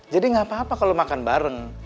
jadi gak apa apa kalau makan bareng